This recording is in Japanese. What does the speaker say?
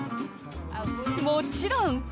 もちろん。